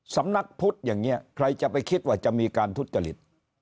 สำนักพุทธอย่างนี้ใครจะไปคิดว่าจะมีการทุจริต